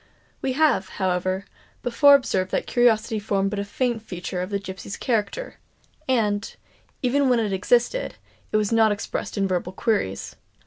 We have, however, before observed that curiosity formed but a faint feature of the gipsy character; and, even when it existed, it was not expressed in verbal queries.